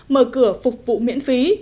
mở cửa phục vụ miễn phí